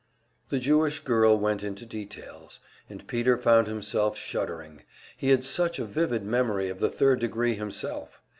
The Jewish girl went into details, and Peter found himself shuddering he had such a vivid memory of the third degree himself!